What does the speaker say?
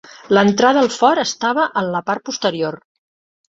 L'entrada al fort estava en la part posterior.